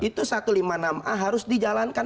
itu satu ratus lima puluh enam a harus dijalankan